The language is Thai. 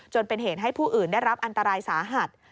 จนเป็นเหตุให้ผู้อื่นได้รับอันตรายสาหัส